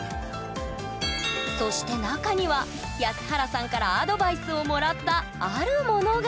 そして中には安原さんからアドバイスをもらったあるものが！